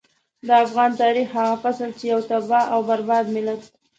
د افغان تاريخ هغه فصل چې يو تباه او برباد ملت.